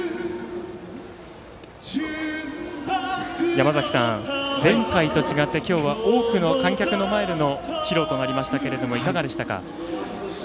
山崎さん、前回と違って今日は多くの観客の前での披露となりましたがいかがでしたか？